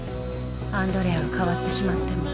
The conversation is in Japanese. アンドレアは変わってしまったの。